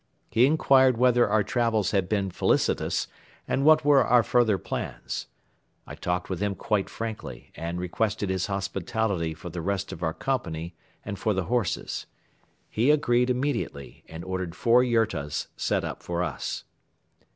He inquired whether our travels had been felicitous and what were our further plans. I talked with him quite frankly and requested his hospitality for the rest of our company and for the horses. He agreed immediately and ordered four yurtas set up for us.